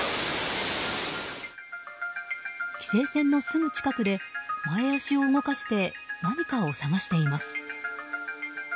規制線のすぐ近くで前足を動かして何かを探しています。